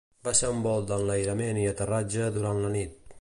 Va ser un vol d'enlairament i aterratge durant la nit.